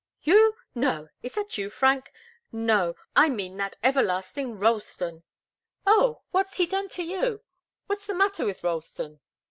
"You? No is that you, Frank? No I mean that everlasting Ralston." "Oh! What's he done to you? What's the matter with Ralston?"